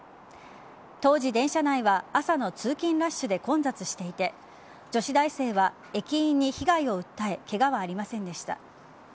当時、電車内は朝の通勤ラッシュで混雑していて女子大生は駅員に被害を訴えケガはありませんでした。